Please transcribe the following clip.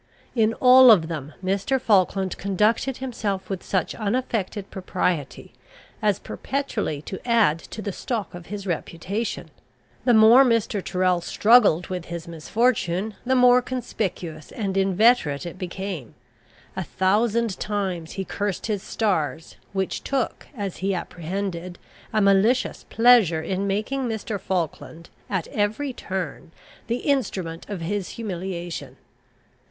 In all of them Mr. Falkland conducted himself with such unaffected propriety, as perpetually to add to the stock of his reputation. The more Mr. Tyrrel struggled with his misfortune, the more conspicuous and inveterate it became. A thousand times he cursed his stars, which took, as he apprehended, a malicious pleasure in making Mr. Falkland, at every turn, the instrument of his humiliation.